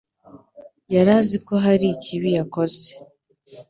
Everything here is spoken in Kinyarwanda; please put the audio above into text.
yari azi ko hari ikibi yakoze.